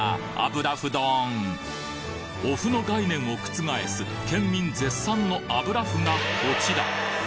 お麩の概念を覆す県民絶賛の油麩がこちら！